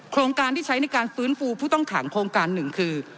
โครงการที่ใช้ในการฟื้นฟูผู้ต้องขังโครงการหนึ่งคือ